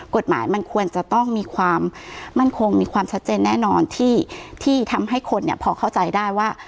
กฎหมายมันควรจะต้องมีความมั่นคงมีความชัดเจนแน่นอนที่ทำให้คนพอเข้าใจได้ว่า